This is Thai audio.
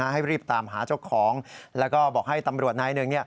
ให้รีบตามหาเจ้าของแล้วก็บอกให้ตำรวจนายหนึ่ง